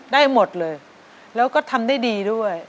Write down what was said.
ได้หมดเลยแล้วก็ทำได้ดีด้วย